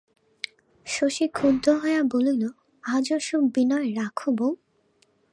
শশী ক্ষুব্ধ হইয়া বলিল, আজ ওসব বিনয় রাখো বৌ।